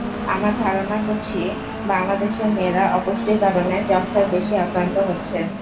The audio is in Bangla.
আমরা ধারণা করছি, বাংলাদেশের মেয়েরা অপুষ্টির কারণে যক্ষ্মায় বেশি আক্রান্ত হচ্ছে।